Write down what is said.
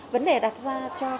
vấn đề đặt ra cho các con